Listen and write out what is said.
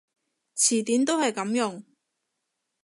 詞典都係噉用